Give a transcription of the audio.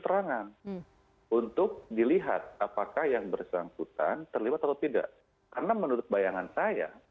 terangan untuk dilihat apakah yang bersangkutan terlibat atau tidak karena menurut bayangan saya